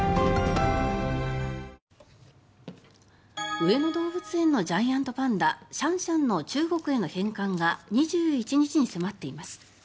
上野動物園のジャイアントパンダシャンシャンの中国への返還が２１日に迫っています。